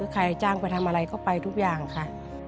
ใครจ้างไปทำอะไรก็ไปทุกอย่างค่ะ